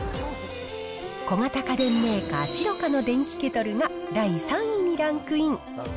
小型家電メーカー、シロカの電気ケトルが第３位にランクイン。